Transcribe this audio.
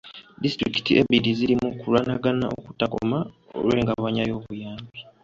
Disitulikiti ebbiri ziri mu kulwanagana okutakoma olw'engabanya y'obuyambi.